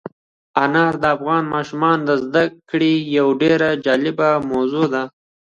انار د افغان ماشومانو د زده کړې یوه ډېره جالبه موضوع ده.